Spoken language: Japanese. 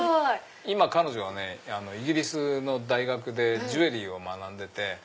今彼女はねイギリスの大学でジュエリーを学んでて。